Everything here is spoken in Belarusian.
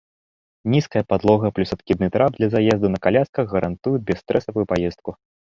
Нізкая падлога плюс адкідны трап для заезду на калясках гарантуюць бясстрэсавую паездку.